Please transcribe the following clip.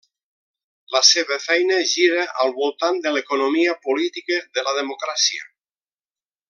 La seva feina gira al voltant de l’economia política de la democràcia.